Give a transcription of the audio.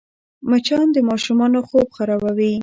مچان د ماشومانو خوب خرابوي